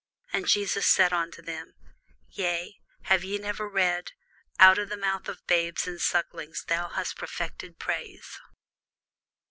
And Jesus saith unto them, Yea; have ye never read, Out of the mouth of babes and sucklings thou hast perfected praise?